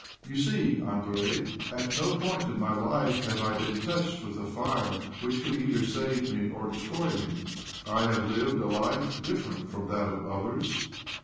" You see, Andrei, at no point in my life have I been touched with a fire I which could either save me or destroy me. I have lived a life different from' that of others.